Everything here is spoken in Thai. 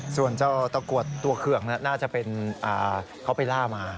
ส่วนเจ้าตะกรวดตัวเคืองน่าจะเป็นเขาไปล่ามา